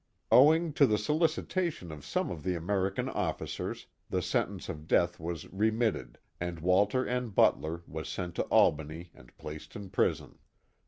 Owing to the solicitation of some of the American officers, the sen tence of death was remitted, and Walter N. Butler was sent to Albany and placed in prison.